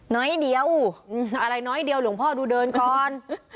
น้อยเดียวอะไรน้อยเดียวหลวงพ่อดูเดินก่อน